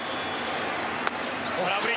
空振り。